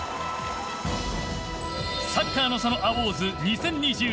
「サッカーの園アウォーズ２０２２」。